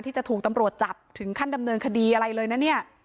ที่จะถูกตำรวจจับถึงขั้นดำเนินคดีอะไรเลยนะเนี่ย